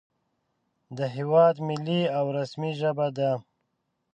په د هېواد ملي او رسمي ژبه ده